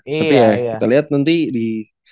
tapi ya kita lihat nanti di